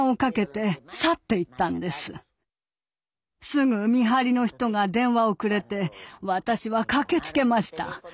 すぐ見張りの人が電話をくれて私は駆けつけました。